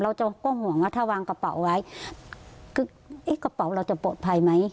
เราก็ห่วงว่าถ้าวางกระเป๋าไว้ก็เอ๊ะกระเป๋าเราจะปลอดภัยไหม